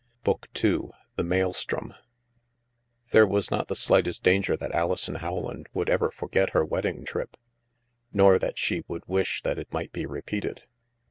BCX>K TWO THE MAELSTROM CHAPTER I There was not the slightest danger that Alison Rowland would ever forget her wedding trip; nor that she would wish that it might be repeated.